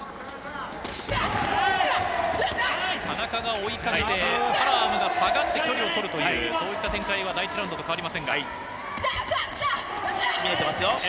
田中が追いかけて、パアラムが下がって距離を取るというそういった展開は第１ラウンドと変わりま見えていますよ。